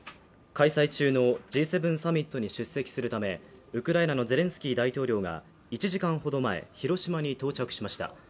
開催中のＧ７サミットに出席するためウクライナのゼレンスキー大統領が１時間ほど前広島に到着しました。